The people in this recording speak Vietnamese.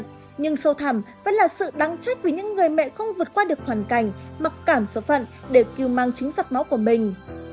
nhưng sâu thẳm vẫn là sự đắng trách của những người mẹ không vượt qua được hoàn cảnh mặc cảm số phận để cứu mang chính giặt máu của mình